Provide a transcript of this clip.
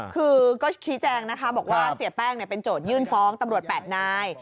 คือก็ชี้แจงนะคะบอกว่าเสียแป้งเป็นโจทยื่นฟ้องตำรวจ๘นาย